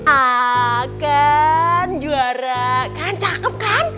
ah kan juara kan cakep kan